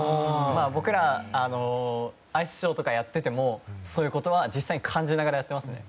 僕らアイスショーとかやっててもそういうことは実際に感じながらやってますね。